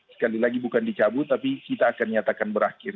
sekali lagi bukan dicabut tapi kita akan nyatakan berakhir